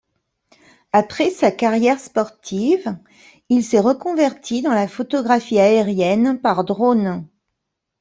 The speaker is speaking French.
Après sa carrière sportive, il s'est reconverti dans la photographie aérienne par drone.